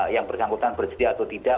yang bersangkutan bersedia atau tidak